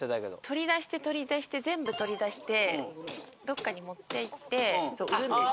取り出して取り出して全部取り出してどっかに持っていって売るんです。